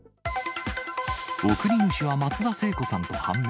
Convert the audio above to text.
贈り主は松田聖子さんと判明。